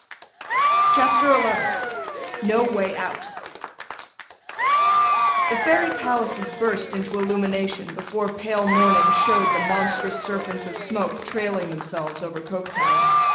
CHAPTER XI NO WAY OUT THE Fairy palaces burst into illumination, before pale morning showed the monstrous serpents of smoke trailing themselves over Coketown.